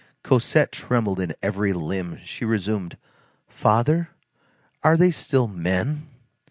Cosette trembled in every limb; she resumed:— "Father, are they still men?"